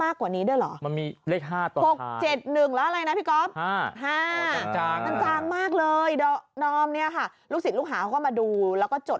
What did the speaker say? กรนน้อมเนี่ยค่ะลูกศิษย์ลูกหาเขาก็มาดูแล้วก็จด